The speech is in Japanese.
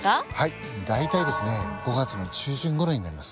大体ですね５月の中旬頃になります。